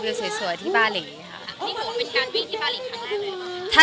นี่คือเป็นการวิ่งที่บาหลีครั้งแรกเลยหรือเปล่า